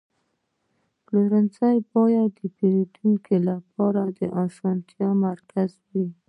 پلورنځی باید د پیرودونکو لپاره د اسانتیا مرکز وي.